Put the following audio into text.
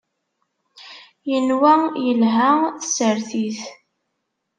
Yenwa yelha tsertit.